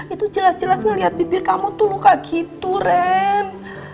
itu jelas jelas ngeliat bibir kamu tuh luka gitu ren